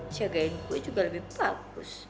siagain gue juga lebih bagus